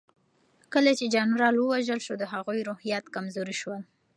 کله چې جنرال ووژل شو د هغوی روحيات کمزوري شول.